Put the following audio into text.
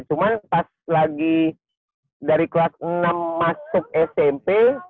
cuman pas lagi dari kelas enam masuk smp